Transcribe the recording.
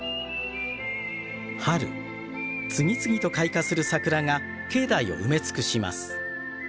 春次々と開花する桜が境内を埋め尽くします。